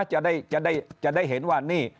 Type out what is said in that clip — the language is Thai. จะได้เห็นว่านี่